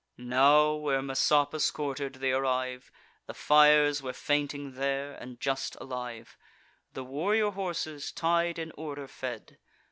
Now, where Messapus quarter'd, they arrive. The fires were fainting there, and just alive; The warrior horses, tied in order, fed.